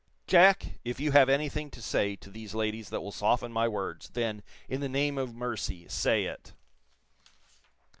Jack, if you have anything to say to these ladies that will soften my words, then, in the name of mercy, say it."